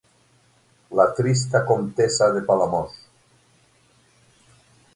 La trista comtessa de Palamós.